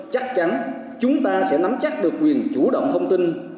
chắc chắn chúng ta sẽ nắm chắc được quyền chủ động thông tin